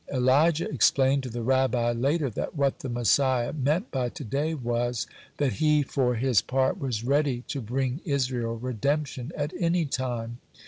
Elijah explained to the Rabbi later that what the Messiah meant by "to day" was, that he for his part was ready to bring Israel redemption at any time.